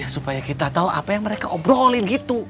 supaya kita tahu apa yang mereka obrolin gitu